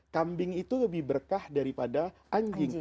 kambing itu lebih berkah daripada anjing